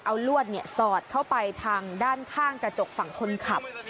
เอาลวดสอดเข้าไปทางด้านข้างกระจกฝั่งคนขับ